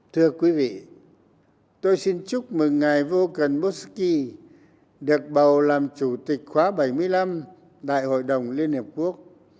thưa quý vị tôi xin chúc mừng ngài volkanovsky được bầu làm chủ tịch khóa bảy mươi năm đại hội đồng liên hiệp quốc